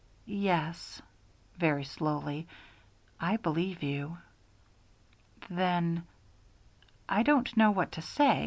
"Yes," very slowly, "I believe you." "Then " "I don't know what to say.